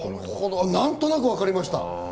何となく分かりました。